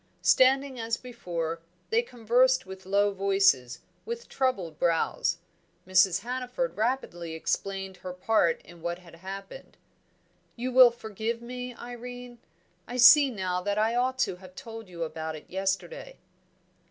Standing as before, they conversed with low voices, with troubled brows. Mrs. Hannaford rapidly explained her part in what had happened. "You will forgive me, Irene? I see now that I ought to have told you about it yesterday."